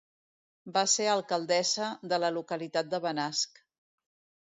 Va ser alcaldessa de la localitat de Benasc.